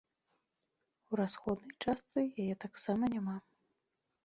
У расходнай частцы яе таксама няма.